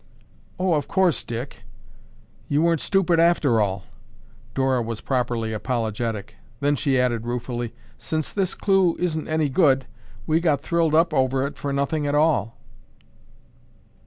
"Oh, of course, Dick! You weren't stupid after all." Dora was properly apologetic. Then, she added ruefully, "Since this clue isn't any good, we got thrilled up over it for nothing at all."